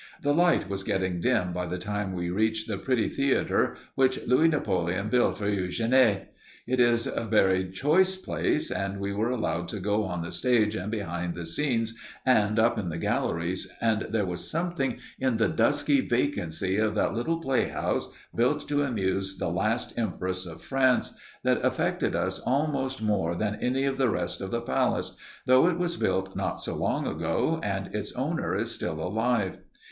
The light was getting dim by the time we reached the pretty theater which Louis Napoleon built for Eugénie. It is a very choice place, and we were allowed to go on the stage and behind the scenes and up in the galleries, and there was something in the dusky vacancy of that little play house, built to amuse the last empress of France, that affected us almost more than any of the rest of the palace, though it was built not so long ago and its owner is still alive.